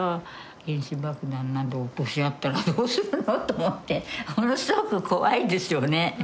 原子爆弾など落とし合ったらどうするのと思ってものすごく怖いですよね。